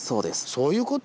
そういうこと！